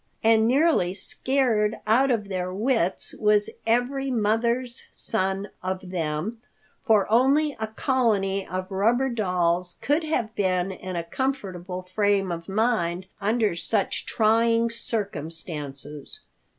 And nearly scared out of their wits was every mother's son of them, for only a colony of rubber dolls could have been in a comfortable frame of mind under such trying circumstances.